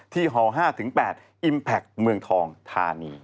ที่ห่อ๕๘อิมแพคเมืองทองธานี